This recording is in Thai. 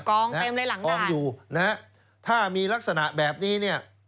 กองเต็มเลยหลังด้านนี่ครับถ้ามีลักษณะแบบนี้